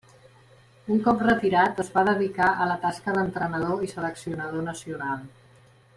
Un cop retirat es va dedicar a la tasca d'entrenador i seleccionador nacional.